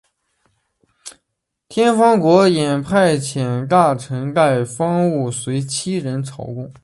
天方国也派遣大臣带方物随七人朝贡。